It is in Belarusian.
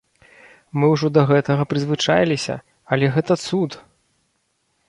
Мы ўжо да гэтага прызвычаіліся, але гэта цуд!